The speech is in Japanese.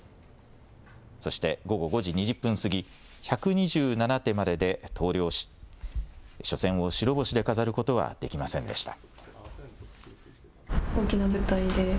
そして午後５時２０分過ぎ１２７手までで投了し初戦を白星で飾ることはできませんでした。